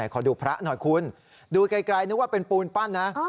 ขอดูพระหน่อยคุณดูไกลนึกว่าเป็นปูนปั้นนะ